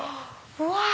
うわ！